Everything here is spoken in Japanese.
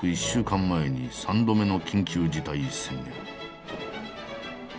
１週間前に３度目の緊急事態宣言。